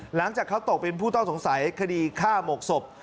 หลังจากเขาตกเป็นผู้ต้องสงสัยคดีฆ่าหมกศพ